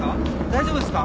大丈夫ですか？